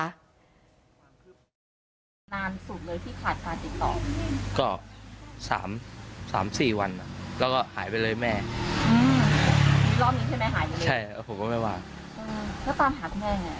ไม่เห็นอะไรโพสต์ให้ตังมาวันอาทิตย์อาทิตย์ละครั้งตอนตังออก